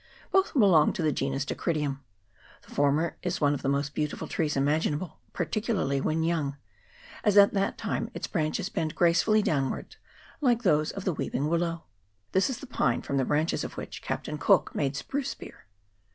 Both belong to the genus Dacrydium. The former is one of the most beautiful trees imaginable, particularly when young, as at that time its branches bend gracefully downwards, like those of the weeping willow. This is the pine from the branches of which Captain Cook made spruce beer.